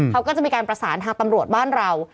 เขาก็จะมีการประสานทางตำรวจบ้านเรา